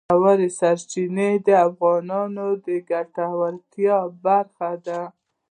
ژورې سرچینې د افغانانو د ګټورتیا برخه ده.